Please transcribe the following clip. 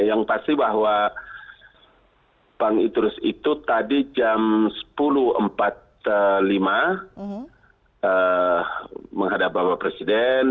yang pasti bahwa bang idrus itu tadi jam sepuluh empat puluh lima menghadap bapak presiden